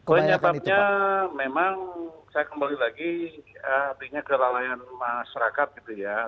penyebabnya memang saya kembali lagi artinya kelalaian masyarakat gitu ya